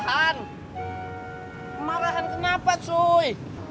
marahan marahan kenapa cuy